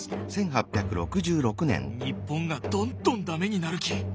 日本がどんどん駄目になるき。